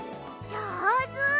じょうず！